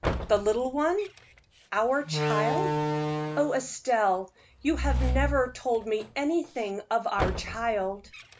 "The little one our child? Oh, Estelle, you have never told me anything of our child."